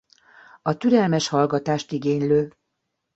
A türelmes hallgatást igénylő.